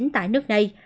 tại nước này